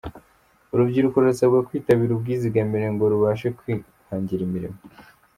Urubyiruko rurasabwa kwitabira ubwizigamire ngo rubashe kwihangira imirimo